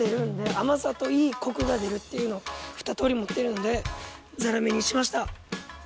甘さといいコクが出るっていうのふた通り持ってるんでザラメにしました。